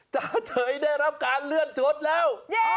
จ้าเฉยได้รับการเลื่อนจดแล้ว